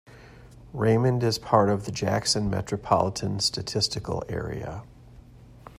Raymond is part of the Jackson Metropolitan Statistical Area.